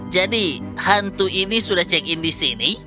jadi hantu ini sudah check in di sini